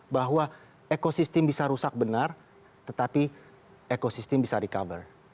bahwa ekosistem bisa rusak benar tetapi ekosistem bisa recover